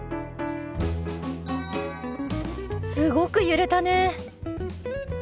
すごく揺れたね。